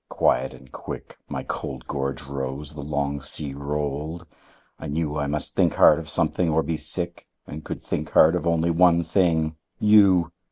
Quiet and quick My cold gorge rose; the long sea rolled; I knew I must think hard of something, or be sick; And could think hard of only one thing YOU!